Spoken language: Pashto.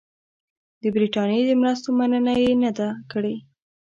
د برټانیې د مرستو مننه یې نه ده کړې.